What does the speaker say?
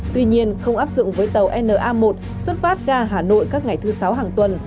tuy nhiên không áp dụng với tàu na một xuất phát ra hà nội các ngày thứ sáu hàng tuần